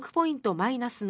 マイナスの